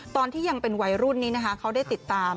ตอนที่ยังเป็นวัยรุ่นนี้นะคะเขาได้ติดตาม